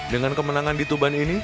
dengan kemenangan di tuban ini